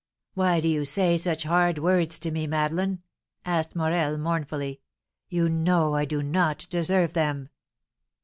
"Why do you say such hard words to me, Madeleine?" asked Morel, mournfully; "you know I do not deserve them.